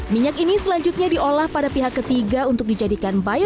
minyak ini selanjutnya diolah pada pihak ketiga untuk dijadikan bios